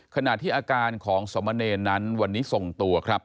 ขณะที่อาการของสมเนรนั้นวันนี้ส่งตัวครับ